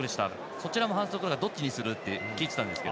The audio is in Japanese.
そちらの反則などどっちにすると聞いてたんですよ。